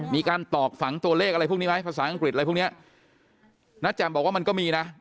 ตอกฝังตัวเลขอะไรพวกนี้ไหมภาษาอังกฤษอะไรพวกเนี้ยณแจ่มบอกว่ามันก็มีนะ